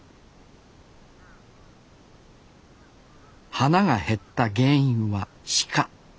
花が減った原因は鹿。